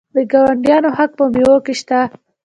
د ګاونډیانو حق په میوو کې شته.